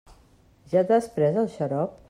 Ja t'has pres el xarop?